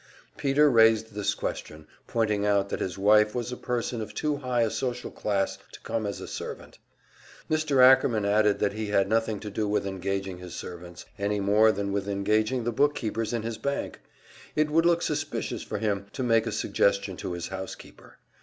Peter raised this question, pointing out that his wife was a person of too high a social class to come as a servant. Mr. Ackerman added that he had nothing to do with engaging his servants, any more than with engaging the bookkeepers in his bank. It would look suspicious for him to make a suggestion to his housekeeper.